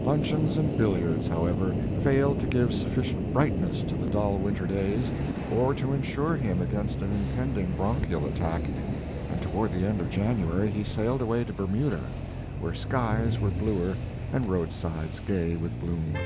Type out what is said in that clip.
Luncheons and billiards, however, failed to give sufficient brightness to the dull winter days, or to insure him against an impending bronchial attack, and toward the end of January he sailed away to Bermuda, where skies were bluer and roadsides gay with bloom.